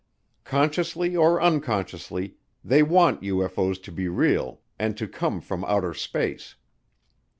Consciously or unconsciously, they want UFO's to be real and to come from outer space.